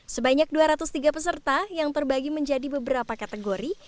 sebanyak dua ratus tiga peserta yang terbagi menjadi beberapa kategori